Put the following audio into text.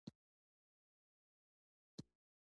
خټکی خندا کوي، ژړا نه.